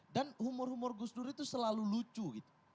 dan humor humor gus dur itu selalu lucu gitu